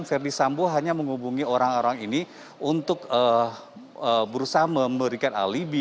verdi sambo hanya menghubungi orang orang ini untuk berusaha memberikan alibi